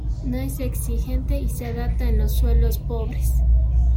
No es exigente y se adapta en suelos pobres.